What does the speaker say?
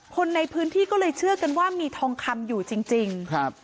คนในพื้นที่ก็เลยเชื่อกันว่ามีทองคำอยู่จริงจริงครับ